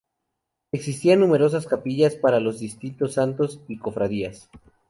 Existían numerosas capillas para los distintos santos y cofradías.